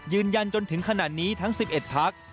ยืนยันจนถึงขนาดนี้ทั้ง๑๑พัก